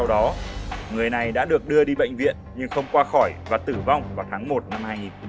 sau đó người này đã được đưa đi bệnh viện nhưng không qua khỏi và tử vong vào tháng một năm hai nghìn hai mươi bốn